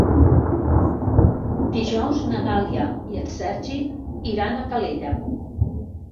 Dijous na Dàlia i en Sergi iran a Calella.